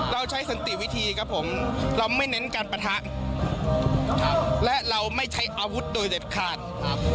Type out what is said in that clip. เราใช้สันติวิธีครับผมเราไม่เน้นการปะทะและเราไม่ใช้อาวุธโดยเด็ดขาดครับ